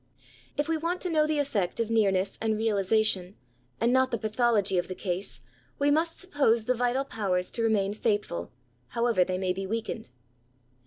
If we want to know the effect of nearness and realisation, and not the pathology of the case, we must suppose the vital powers to remain faithful, however they may be weakened.